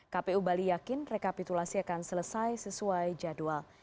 kpu bali yakin rekapitulasi akan selesai sesuai jadwal